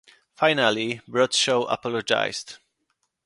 Finally Bradshaw apologised.